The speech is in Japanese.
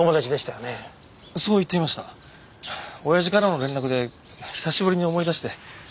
親父からの連絡で久しぶりに思い出して。